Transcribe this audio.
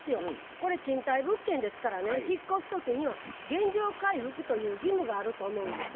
これ賃貸物件ですからね引っ越す時には原状回復という義務があると思うんです。